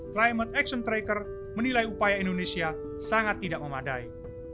climate action tracker menilai upaya indonesia sangat tidak memadai